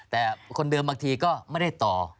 แต่คนเดิมบางทีก็ไม่ได้ต่อ